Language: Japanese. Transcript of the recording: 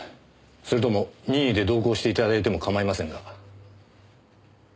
それとも任意で同行して頂いても構いませんが。